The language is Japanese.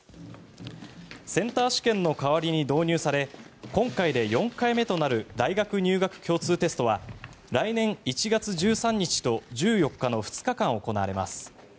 センター試験の代わりに導入され今回で４回目となる大学入学共通テストは来年１月１３日と１４日の２日間行われます。